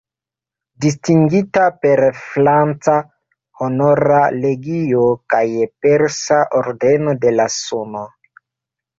Distingita per franca Honora Legio kaj persa Ordeno de la Suno.